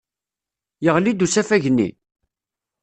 Yeɣli-d usafag-nni?